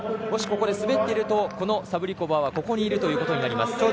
もしここで滑っているとサブリコバーはここにいるということになります。